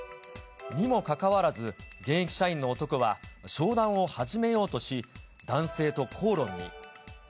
にもかかわらず、現役社員の男は、商談を始めようとし、男性と口論に。